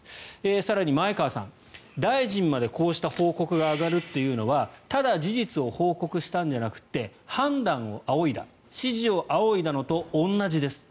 更に、前川さん、大臣までこうした報告が上がるというのはただ事実を報告したんじゃなくて判断を仰いだ指示を仰いだのと同じです。